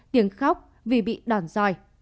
tiếng khóc vì bị đòn roi